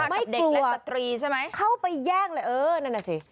ไม่กลัวใช่ไหมเข้าไปแย่งเลยเออนั่นแหละสิ